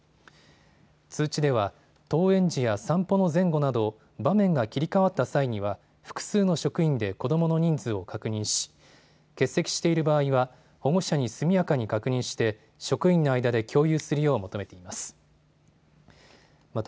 通知では、登園時や散歩の前後など、場面が切り替わった際には複数の職員で子どもの人数を確認し、欠席している場合は、保護者に速やかに確認して、職員の間で共有するよう求めています。